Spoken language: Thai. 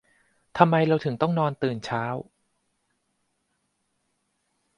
ทำไมเราถึงต้องนอนตื่นเช้า